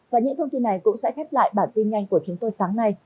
và những thông tin này cũng sẽ khép lại bản tin nhanh của chúng tôi sáng nay